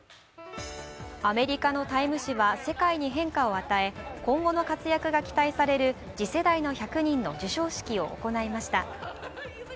アメリカの「タイム」誌は世界に変化を与え、今後の活躍が期待される「次世代の１００人」の授賞式を行いました。